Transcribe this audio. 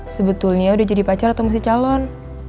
sebetulnya udah jadi pacar atau masih calon